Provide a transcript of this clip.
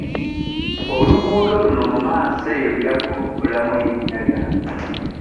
Oluguudo luno mu maaso eyo nja kulubbulamu erinnya lyange.